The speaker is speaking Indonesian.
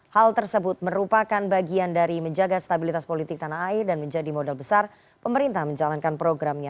hal tersebut merupakan bagian dari menjaga stabilitas politik tanah air dan menjadi modal besar pemerintah menjalankan programnya